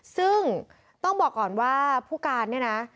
ซึ่งต้องบอกก่อนว่าผู้การเนี่ยนะ